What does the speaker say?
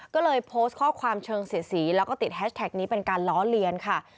ก็เลยโพสต์ข้อความเชิงเสียสีแล้วก็ติดแฮชแท็กนี้เป็นการล้อเลียนค่ะ